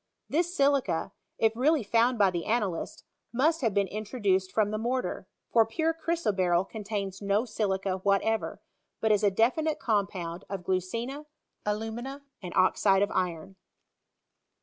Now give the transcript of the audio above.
This silica, if really found by the analysts, must have been introduced from the mortar, for pure chrysoberyl contains no silica whatever, but is a defi nite compound of glucina, alumina, and oxide of iron.